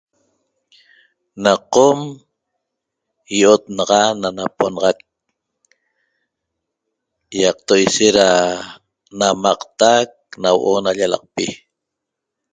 Na qom i'ot naxa na naponaxac ÿaqto' ishet da namataq na huo'o na llalaqpi